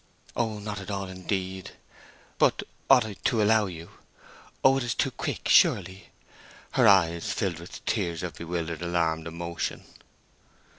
Oh, not at all, indeed! But—ought I to allow you?—oh, it is too quick—surely!" Her eyes filled with tears of bewildered, alarmed emotion.